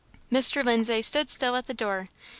Mr. Lindsay stood still at the door.